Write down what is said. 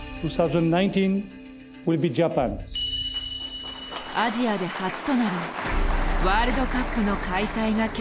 アジアで初となるワールドカップの開催が決定したのだ。